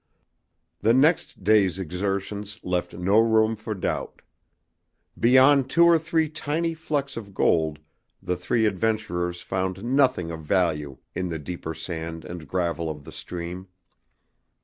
The next day's exertions left no room for doubt. Beyond two or three tiny flecks of gold the three adventurers found nothing of value in the deeper sand and gravel of the stream.